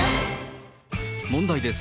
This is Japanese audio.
問題です。